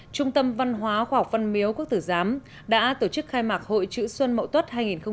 trung tâm văn hóa khoa học văn miếu quốc tử giám đã tổ chức khai mạc hội chữ xuân mậu tuất hai nghìn một mươi tám